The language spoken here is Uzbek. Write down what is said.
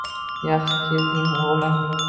Yaxshi keldingmi, o`g`lim